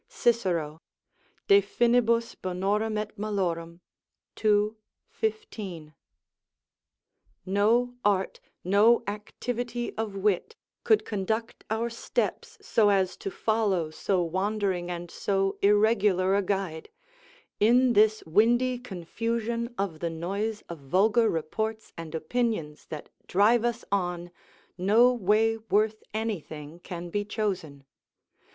Cicero, De Finib., ii. 15.] No art, no activity of wit, could conduct our steps so as to follow so wandering and so irregular a guide; in this windy confusion of the noise of vulgar reports and opinions that drive us on, no way worth anything can be chosen.